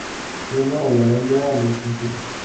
Sólo la hembra los incuba.